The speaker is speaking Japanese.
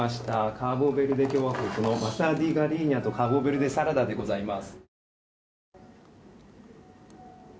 カボベルデ共和国のマサディガリーニャとカボベルデサラダでございます。